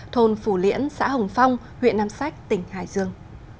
thôn phủ liễn xã hồng phong huyện nam sách tỉnh hải dương